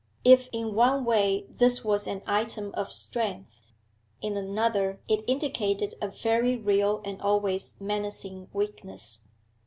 If in one way this was an item of strength, in another it indicated a very real and always menacing weakness.